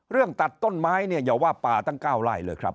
ตัดต้นไม้เนี่ยอย่าว่าป่าตั้ง๙ไร่เลยครับ